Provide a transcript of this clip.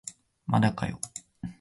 まだかよ